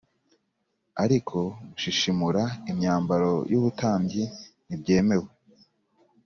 ariko gushishimura imyambaro y’ubutambyi ntibyemewe,